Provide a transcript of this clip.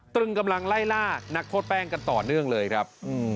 ตรึงกำลังไล่ล่านักโทษแป้งกันต่อเนื่องเลยครับ